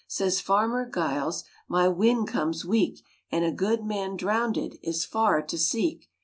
Says Farmer Giles, "My wind comes weak, And a good man drownded Is far to seek."